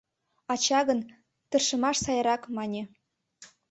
Ача гын «тыршымаш сайрак» мане.